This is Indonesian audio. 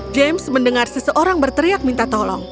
james mendengar seseorang berteriak minta tolong